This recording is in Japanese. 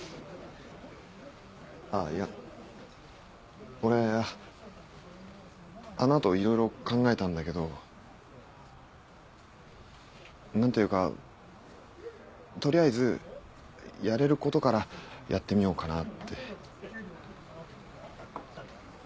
あっいや俺あの後いろいろ考えたんだけど何ていうか取りあえずやれることからやってみようかなって。